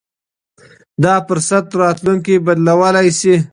دا فرصت راتلونکی بدلولای شي.